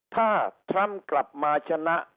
ถ้าทรัมป์กลับมาชนะ